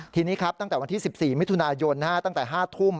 ทีนี้ครับตั้งแต่วันที่๑๔มิถุนายนตั้งแต่๕ทุ่ม